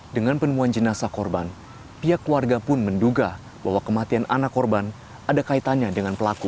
dengan penemuan jenazah korban pihak keluarga pun menduga bahwa kematian anak korban ada kaitannya dengan pelaku